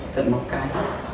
thật một cái